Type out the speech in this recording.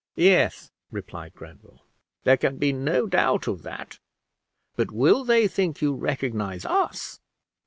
"Yes," replied Grenville, "there can be no doubt of that; but will they, think you, recognize us?"